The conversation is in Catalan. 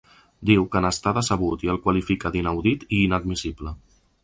Diu que n’està decebut i el qualifica d’inaudit i inadmissible.